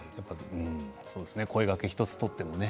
声がけ１つとってもね